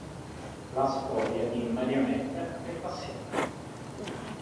La storia di "Marionette, che passione!